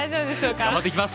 頑張っていきます！